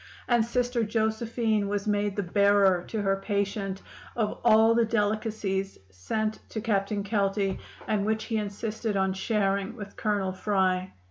And Sister Josephine was made the bearer to her patient of all the delicacies sent to Captain Kelty, and which he insisted on sharing with Colonel Fry.